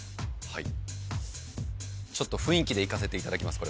はいちょっと雰囲気でいかせていただきます